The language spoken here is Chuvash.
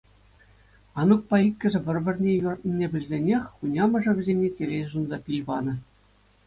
Анукпа иккӗше пӗр-пӗрне юратнине пӗлсенех, хунямӑшӗ вӗсене телей сунса пил панӑ.